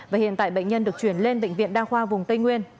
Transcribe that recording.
và hiện tại bệnh nhân được chuyển lên bệnh viện đa khoa vùng tây nguyên